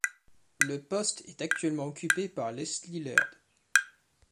Le poste est actuellement occupé par Lesley Laird.